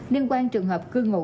liên quan trường hợp cư ngụ